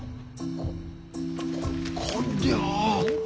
ここりゃあ。